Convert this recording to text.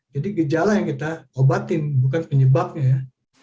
gejala yang kita obatin bukan penyebabnya ya